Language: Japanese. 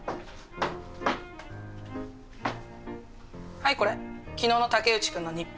はいこれ昨日の竹内君の日報。